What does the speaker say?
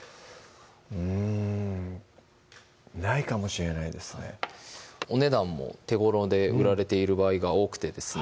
うんないかもしれないですねお値段も手ごろで売られている場合が多くてですね